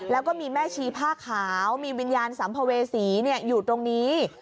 แล้วก็มีแม่ชีผ้าขาวมีวิญญาณสัมภเวษีอยู่ตรงนี้